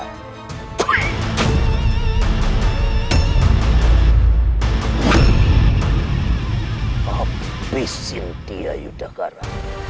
habis sinti yudhakara